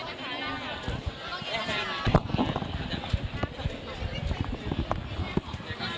ไปไกลกับให้เจองร่วม